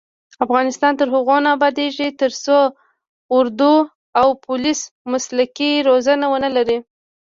افغانستان تر هغو نه ابادیږي، ترڅو اردو او پولیس مسلکي روزنه ونه لري.